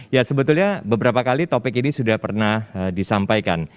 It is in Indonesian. ya sebetulnya beberapa kali topik ini sudah pernah disampaikan